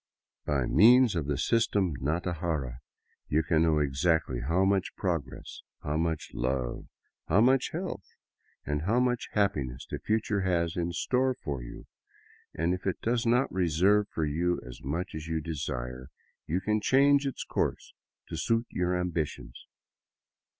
By 102 DOWN THE ANDES TO QUITO means of the system " Natajara " you can know exactly how much progress, how much love, how much health, and how much happiness the future has in store for you ; and if it does not reserve for you as much as you desire, you can change its course to suit your ambitions.